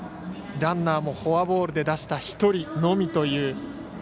ランナーもフォアボールで出した１人のみという。